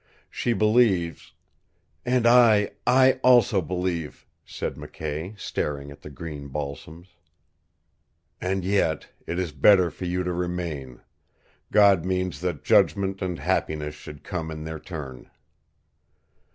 She believes " "And I I also believe," said McKay, staring at the green balsams. "And yet it is better for you to remain. God means that judgment and happiness should come in their turn."